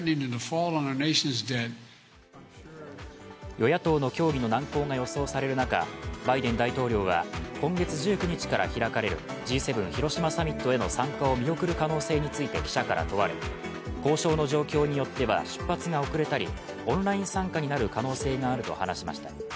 与野党の協議の難航が予想される中、バイデン大統領は今月１９日から開かれるＧ７広島サミットへの参加を見送る可能性について記者から問われ交渉の状況によっては出発が遅れたりオンライン参加になる可能性があると話しました。